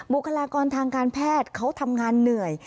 บุคลากรทางการแพทย์เขาทำงานเหนื่อย